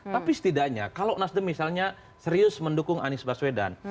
tapi setidaknya kalau nasdem misalnya serius mendukung anies baswedan